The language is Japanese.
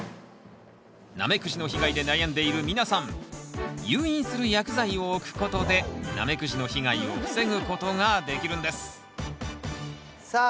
ナメクジの被害で悩んでいる皆さん誘引する薬剤を置くことでナメクジの被害を防ぐことができるんですさあ